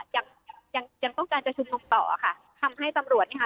ยังยังต้องการจะชุมนุมต่อค่ะทำให้ตำรวจเนี้ยค่ะ